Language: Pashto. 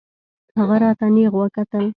هغه راته نېغ وکتل.